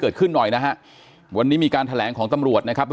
เกิดขึ้นหน่อยนะฮะวันนี้มีการแถลงของตำรวจนะครับ